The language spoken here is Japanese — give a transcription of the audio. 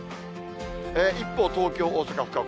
一方、東京、大阪、福岡。